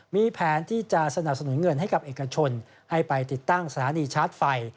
มีแผนที่จะสนับสนุนเงินให้กับเอกชนให้ไปติดตั้งสถานีชาร์จไฟ